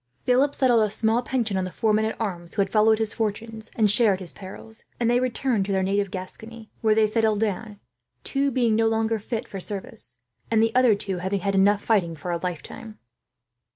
Philip settled a small pension on the four men at arms who had followed his fortunes and shared his perils, and they returned to their native Gascony; where they settled down, two being no longer fit for service, and the others having had enough fighting for a lifetime.